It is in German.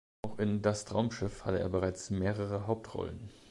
Auch in "Das Traumschiff" hatte er bereits mehrere Hauptrollen.